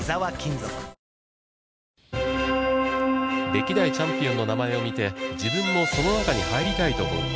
歴代チャンピオンの名前を見て、自分もこの中に入りたいと思う。